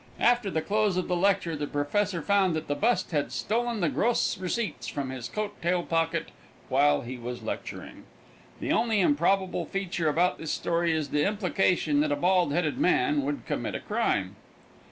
After the close of the lecture the professor found that the bust had stolen the gross receipts from his coat tail pocket while he was lecturing. The only improbable feature about this story is the implication that a bald headed man would commit a crime.